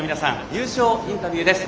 優勝インタビューです。